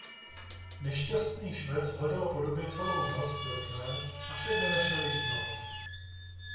Nešťastný švec hledal po době celou noc drobné avšak nenašel jich mnoho.